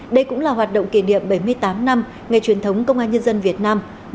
đây cũng là hoạt động kỷ niệm bảy mươi tám năm ngày truyền thống công an nhân dân việt nam